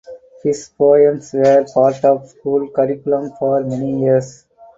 His poems were part of school curriculum for many years.